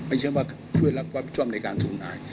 ไม่ใช่ว่าช่วยรับผิดชอบในการสูญหาย